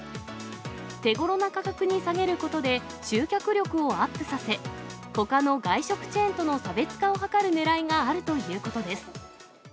手頃な価格に下げることで集客力をアップさせ、ほかの外食チェーンとの差別化を図るねらいがあるということです。